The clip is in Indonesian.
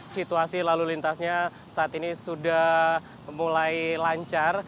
situasi lalu lintasnya saat ini sudah mulai lancar